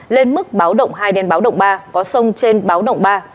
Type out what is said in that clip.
lên mức báo động hai đến báo động ba có sông trên báo động ba